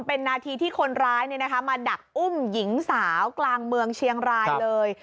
เป็นนาทีที่คนร้ายมาดักอุ้มหญิงสาวกลางเมืองเชียงรายเลย